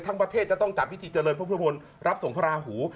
ทั้งประเทศจะต้องจัดพิธีเจริญท่วมรับส่งพระลาหู